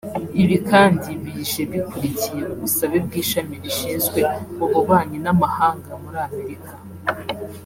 Ibi kandi bije bikurikiye ubusabe bw’ishami rishinzwe ububanyi n’amahanga muri Amerika